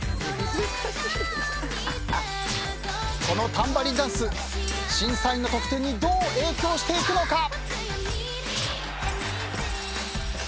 このタンバリンダンス審査員の得点にどう影響していくのか。